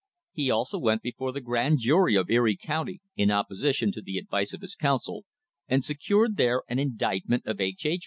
He also went before the Grand Jury of Erie County in opposition to the advice of his counsel and secured there an indictment of H. H.